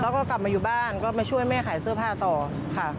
แล้วก็กลับมาอยู่บ้านก็มาช่วยแม่ขายเสื้อผ้าต่อค่ะ